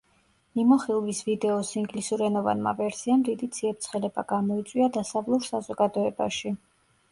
მიმოხილვის ვიდეოს ინგლისურენოვანმა ვერსიამ დიდი ციებ-ცხელება გამოიწვია დასავლურ საზოგადოებაში.